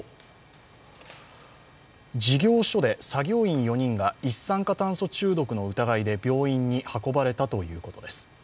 事業所で、作業員４人が一酸化炭素中毒の疑いで病院に運ばれたということです。